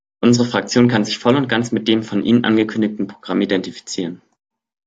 Unsere Fraktion kann sich voll und ganz mit dem von Ihnen angekündigten Programm identifizieren.